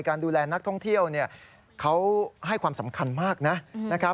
ดูแลนักท่องเที่ยวเขาให้ความสำคัญมากนะครับ